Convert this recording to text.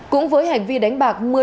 cũng với hành vi đánh bạc